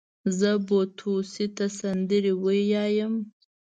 زه بو توسې ته سندرې ويايم.